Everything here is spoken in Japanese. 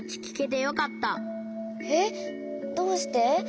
えっどうして？